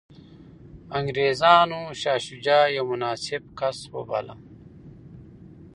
انګریزانو شاه شجاع یو مناسب کس وباله.